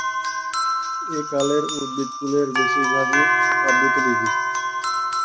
একালের উদ্ভিদকুলের বেশির ভাগই আবৃতবীজী।